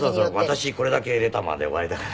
「私これだけ入れた」で終わりだから。